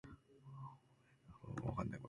お座も胃の腑も冷めてしまう